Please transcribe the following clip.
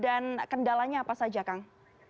dan kendalanya apa saja kang